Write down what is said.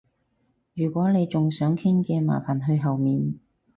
如果你仲想傾嘅，麻煩去後面